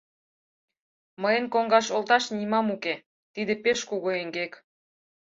“Мыйын коҥгаш олташ нимам уке, тиде пеш кугу эҥгек”.